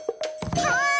はい。